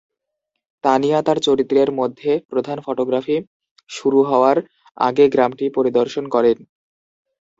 তানিয়া তার চরিত্রের মধ্যে প্রধান ফটোগ্রাফি শুরু হওয়ার আগে গ্রামটি পরিদর্শন করেন।